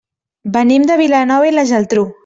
Venim de Vilanova i la Geltrú.